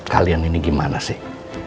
kalian ini gimana sih